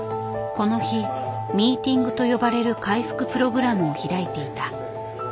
この日ミーティングと呼ばれる回復プログラムを開いていた。